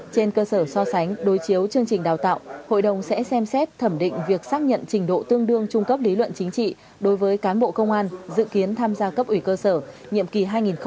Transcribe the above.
trên cơ sở so sánh đối chiếu chương trình đào tạo hội đồng sẽ xem xét thẩm định việc xác nhận trình độ tương đương trung cấp lý luận chính trị đối với cán bộ công an dự kiến tham gia cấp ủy cơ sở nhiệm kỳ hai nghìn hai mươi hai nghìn hai mươi năm